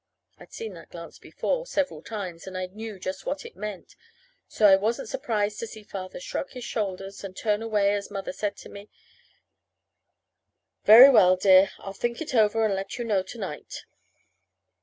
I'd seen that glance before, several times, and I knew just what it meant; so I wasn't surprised to see Father shrug his shoulders and turn away as Mother said to me: "Very well, dear. Ill think it over and let you know to night."